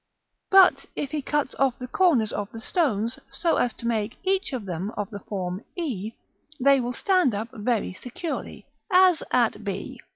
But if he cuts off the corners of the stones, so as to make each of them of the form e, they will stand up very securely, as at B.